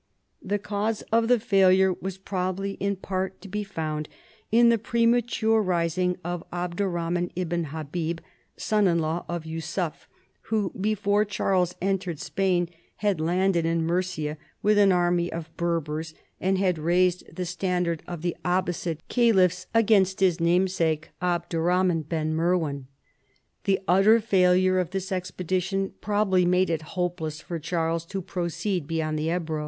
The cause of the failure was probably in part to be found in the premature rising of Abderrahman ibn ITabib, son in law of Yussuf, who, before Charles entered Spain, had landed in Murcia with an army of Berbers, and had raised the standard of the j9g CHARLEMAGNE. Al)bnsi(le caliphs against his namesake Abderrahraan ben Merwan. The utter failure of this expedition probably made it hopeless for Charles to proceed ' beyond the Ebro.